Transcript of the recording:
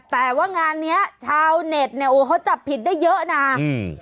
แต่ว่างานเนี้ยชาวเน็ตเนี่ยโอ้เขาจับผิดได้เยอะน่ะอืม